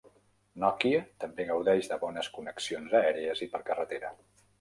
Nokia també gaudeix de bones connexions aèries i per carretera.